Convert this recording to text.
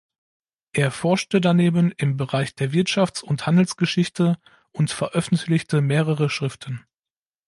Er forschte daneben im Bereich der Wirtschafts- und Handelsgeschichte und veröffentlichte mehrere Schriften.